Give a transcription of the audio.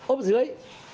ốp ở dưới